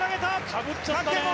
かぶっちゃったね。